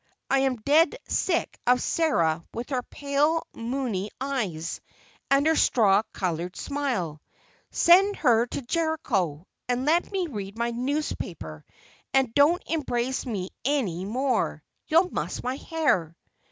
I'm dead sick of Sarah with her pale, moony eyes and her straw colored smile—send her to Jericho, and let me read my newspaper, and don't embrace me any more, you'll muss my hair."